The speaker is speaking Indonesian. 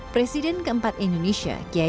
presiden keempat indonesia